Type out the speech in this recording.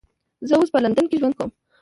زه اوس په لندن کې ژوند کوم